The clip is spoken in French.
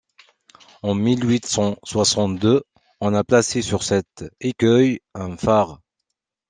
En mille huit cent soixante-deux on a placé sur cet écueil un phare.